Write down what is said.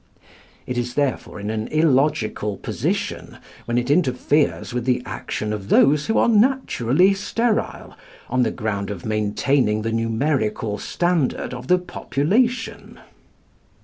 It is therefore in an illogical position, when it interferes with the action of those who are naturally sterile, on the ground of maintaining the numerical standard of the population.